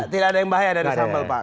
tidak ada yang bahaya dari sampel pak